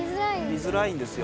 見づらいんですよ。